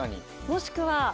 もしくは。